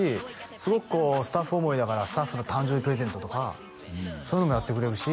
すごくこうスタッフ思いだからスタッフの誕生日プレゼントとかそういうのもやってくれるし